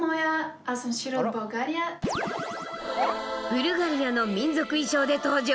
ブルガリアの民族衣装で登場。